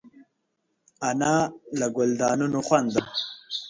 انا له ګلدانونو خوند اخلي